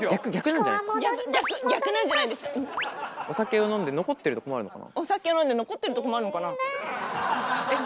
「お酒を飲んで残ってると困るのかな？」。